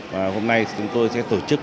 và hôm nay chúng tôi sẽ tổ chức